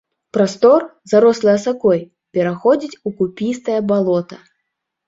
Прастор, зарослы асакой, пераходзіць у куп'істае балота.